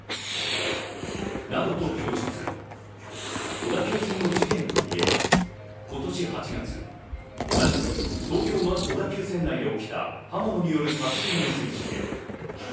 小田急線の事件といえば、今年８月、同じく東京・小田急線内で起きた刃物による殺人未遂事件。